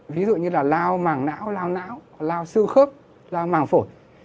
ví dụ như là lao màng não lao não lao sư khớp lao màng phổ